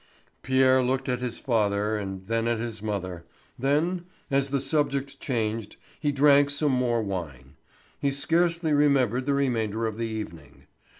Pierre looked at his father and then at his mother, then, as the subject changed he drank some more wine. He scarcely remembered the remainder of the evening.